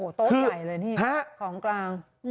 โต๊ะใหญ่เลยนี่ของกลาง